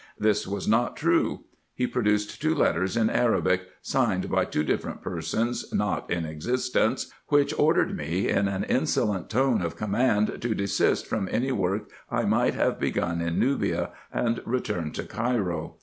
This was not true. He produced two letters in Arabic, signed by two different persons not in existence, which ordered me, in an insolent tone of command, to desist from any Avork I might have begun in Nubia, and return to Cairo.